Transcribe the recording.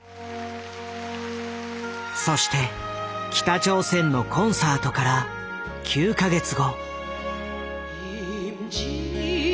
そして北朝鮮のコンサートから９か月後。